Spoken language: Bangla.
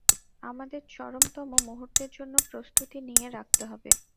আমাদের চরমতম মুহুর্তের জন্য প্রস্তুতি নিয়ে রাখতে হবে।